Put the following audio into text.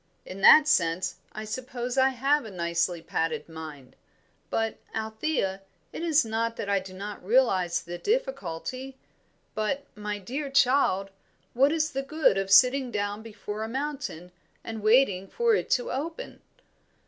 In that sense I suppose I have a nicely padded mind; but, Althea, it is not that I do not realise the difficulty. But, my dear child, what is the good of sitting down before a mountain and waiting for it to open.